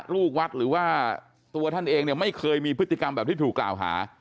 ลูกวัดหรือว่าตัวท่านเองเนี่ยไม่เคยมีพฤติกรรมแบบที่ถูกกล่าวหา